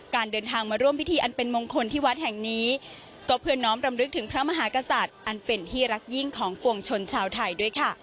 เดินทางมาร่วมพิธีอันเป็นมงคลที่วัดแห่งนี้ก็เพื่อน้อมรำลึกถึงพระมหากษัตริย์อันเป็นที่รักยิ่งของปวงชนชาวไทยด้วยค่ะ